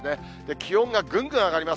気温がぐんぐん上がります。